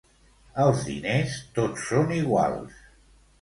Els diners tots són iguals.